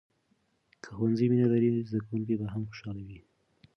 که ښوونکی مینه لري، زده کوونکی به هم خوشحاله وي.